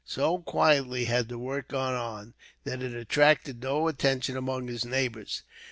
So quietly had the work gone on, that it attracted no attention among his neighbours.